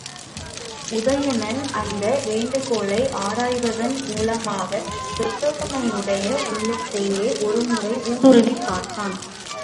உதயணன் அந்த வேண்டுகோளை ஆராய்வதன் மூலமாகப் பிரச்சோதனனுடைய உள்ளத்தையே ஒருமுறை ஊடுருவிப் பார்த்தான்.